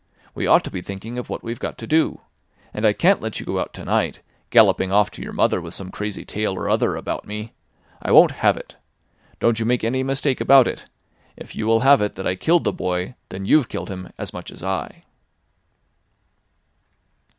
We ought to be thinking of what we've got to do. And I can't let you go out to night, galloping off to your mother with some crazy tale or other about me. I won't have it. Don't you make any mistake about it: if you will have it that I killed the boy, then you've killed him as much as I."